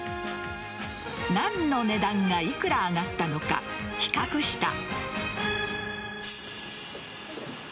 何の値段が幾ら上がったのか比較した。